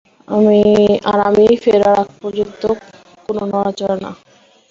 আর আমি ফেরার আগ পর্যন্ত কোনো নড়াচড়া না!